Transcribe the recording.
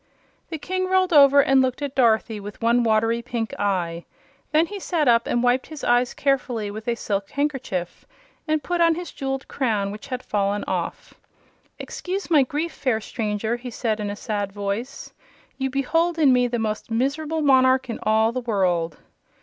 The King rolled over and looked at Dorothy with one watery pink eye. Then he sat up and wiped his eyes carefully with a silk handkerchief and put on his jeweled crown, which had fallen off. "Excuse my grief, fair stranger," he said, in a sad voice. "You behold in me the most miserable monarch in all the world.